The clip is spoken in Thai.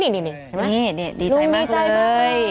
นี่ดีใจมากเลย